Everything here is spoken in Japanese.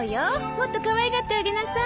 もっとかわいがってあげなさい。